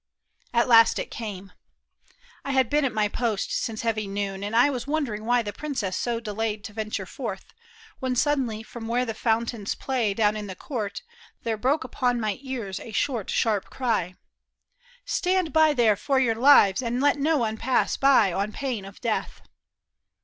At last it came. I had been at my post Since heavy noon, and I was wondering why The princess so delayed to venture forth. When suddenly from where the fountains play Down in the court, there broke upon my ears A short, sharp cry, " Stand by there for your lives, CONFESSION OF THE KING'S MUSKETEER, gt And let no one pass by on pain of death